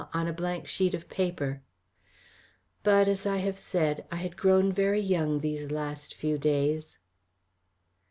on a blank sheet of paper. But, as I have said, I had grown very young these last few days.